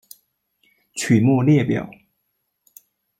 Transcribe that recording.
曲目列表